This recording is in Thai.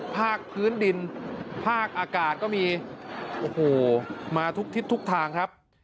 ภาคพื้นดินภาคอากาศก็มีโอ้โหมาทุกทิศทุกทางครับ